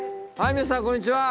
皆さんこんにちは。